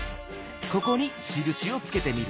ここにしるしをつけてみる。